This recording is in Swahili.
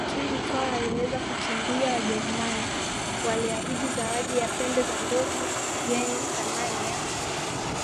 lakini Mkwawa aliweza kukimbia Wajerumani waliahidi zawadi ya pembe za ndovu yenye thamani ya